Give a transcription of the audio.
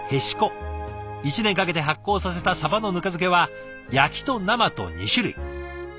１年かけて発酵させたサバのぬか漬けは焼きと生と２種類。